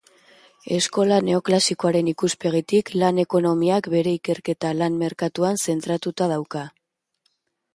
Eskola neoklasikoaren ikuspegitik, lan-ekonomiak bere ikerketa lan-merkatuan zentratuta dauka.